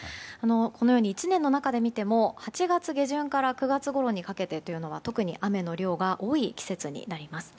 このように１年の中で見ても８月下旬から９月ごろにかけては特に雨の量が多い季節になります。